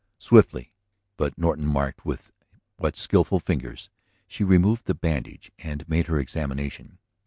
Swiftly, but Norton marked with what skilful fingers, she removed the bandage and made her examination.